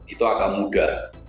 itu agak mudah